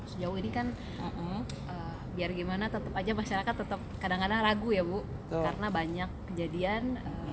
sejauh ini kan biar gimana tetap aja masyarakat tetap kadang kadang ragu ya bu karena banyak kejadian